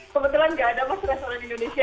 kebetulan nggak ada mas restoran indonesia